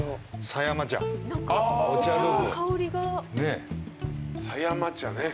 狭山茶ね。